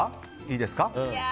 いいですか。